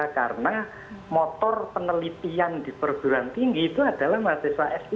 karena motor penelitian di perguruan tinggi itu adalah mahasiswa s tiga